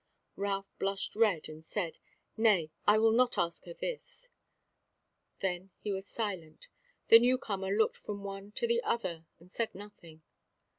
Ralph blushed red, and said: "Nay, I will not ask her this." Then he was silent; the new comer looked from one to the other, and said nothing.